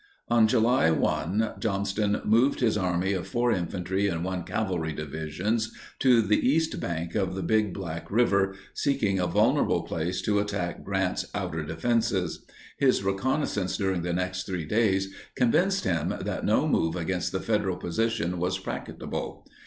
On July 1, Johnston moved his army of 4 infantry and 1 cavalry divisions to the east bank of the Big Black River, seeking a vulnerable place to attack Grant's outer defenses. His reconnaissance during the next 3 days convinced him that no move against the Federal position was practicable.